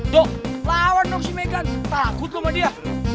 dok lawan dong si megan takut lo sama dia